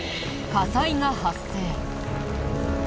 火災が発生。